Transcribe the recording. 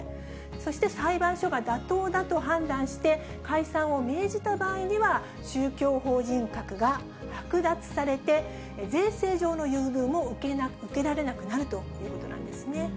そして裁判所が妥当だと判断して、解散を命じた場合には、宗教法人格が剥奪されて、税制上の優遇も受けられなくなるということなんですね。